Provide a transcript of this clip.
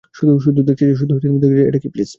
শুধু দেখতে চাইছিলাম এটা কী, প্লিজ!